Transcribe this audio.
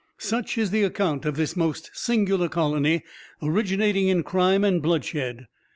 Such is the account of this most singular colony, originating in crime and bloodshed.